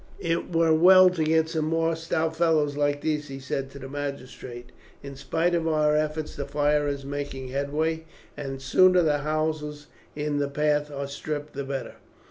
"It were well to get some more stout fellows like these," he said to the magistrate. "In spite of our efforts the fire is making headway, and the sooner the houses in its path are stripped the better."